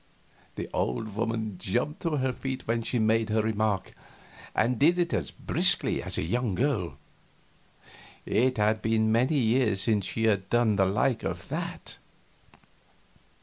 The old woman jumped to her feet when she made her remark, and did it as briskly as a young girl. It had been many years since she had done the like of that.